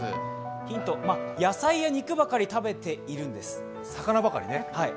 ヒント、野菜や肉ばかり食べているんです。